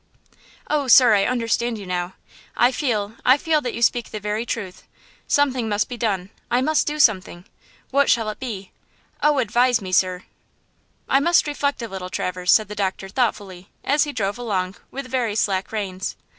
"Oh, sir, I understand you now. I feel, I feel that you speak the very truth. Something must be done. I must do something. What shall it be? Oh, advise me, sir." "I must reflect a little, Traverse," said the doctor, thoughtfully, as he drove along with very slack reins.